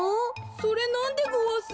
それなんでごわす？